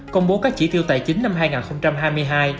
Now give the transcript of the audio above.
công bố các chỉ tiêu tài chính năm hai nghìn hai mươi hai